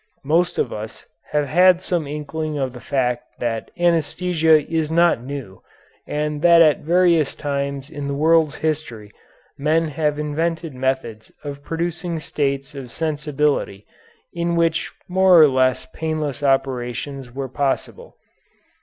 Most of us have had some inkling of the fact that anæsthesia is not new, and that at various times in the world's history men have invented methods of producing states of sensibility in which more or less painless operations were possible.